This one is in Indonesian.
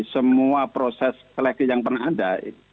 semua proses seleksi yang pernah ada